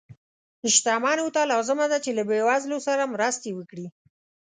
شتمنو ته لازمه ده چې له بې وزلو سره مرستې وکړي.